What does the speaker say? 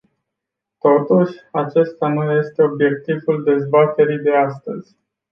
Totuși, acesta nu este obiectul dezbaterii de astăzi.